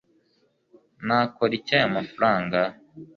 nakora iki aya mafaranga